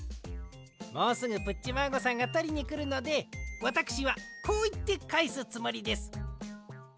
もうすぐプッチマーゴさんがとりにくるのでわたくしはこういってかえすつもりです。